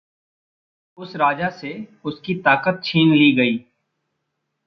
उस राजा से उसकी ताक़त छीन ली गई।